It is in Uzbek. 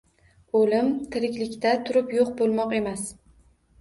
O’lim tiriklikda turib yo’q bo’lmoq emas